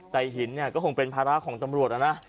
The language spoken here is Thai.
แต่หินก็คงเป็นภาระของจำรวจนะ